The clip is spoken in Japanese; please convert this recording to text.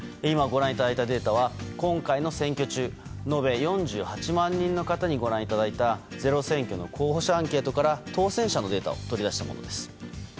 今のデータは今回の選挙中延べ４８万人の方にご覧いただいた「ｚｅｒｏ選挙」の候補者アンケートから当選者のデータを取り出したものです。